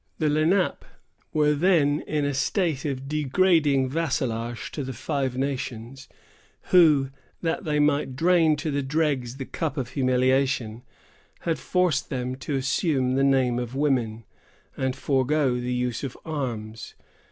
The Lenape were then in a state of degrading vassalage to the Five Nations, who, that they might drain to the dregs the cup of humiliation, had forced them to assume the name of Women, and forego the use of arms.